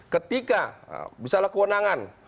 ketika misalnya kewenangan